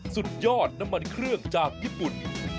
สุดยอดน้ำมันเครื่องจากญี่ปุ่น